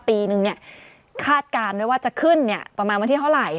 ปีนึงเนี่ยคาดการณ์ด้วยว่าจะขึ้นเนี่ยประมาณวันที่เท่าไหร่